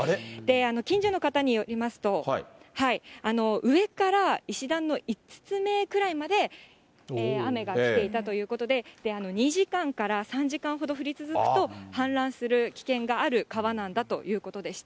近所の方によりますと、上から石段の５つ目ぐらいまで、雨が来ていたということで、２時間から３時間ほど降り続くと、氾濫する危険がある川なんだということでした。